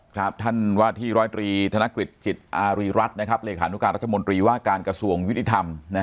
ครับท่านวาธิร้อยตรีธนกฤษจิตอารีรัฐนะครับหลักฐานุการรัฐมนตรีว่าการกระทรวงยุติธรรมนะฮะ